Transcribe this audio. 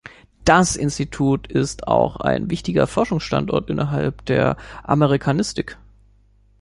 Das Institut ist auch ein wichtiger Forschungsstandort innerhalb der Amerikanistik.